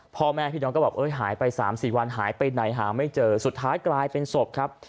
พ่อแม่พี่น้องก็แบบหายไป๓๔วันหายไปไหนหาไม่เจอสุดท้ายกลายเป็นศพครับ